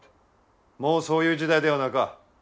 もうそういう時代ではなか。